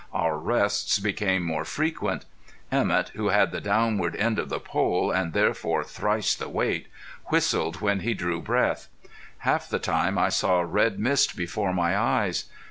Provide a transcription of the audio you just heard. Our rests became more frequent. Emett, who had the downward end of the pole, and therefore thrice the weight, whistled when he drew breath. Half the time I saw red mist before my eyes.